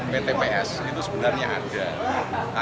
pt ps itu sebenarnya ada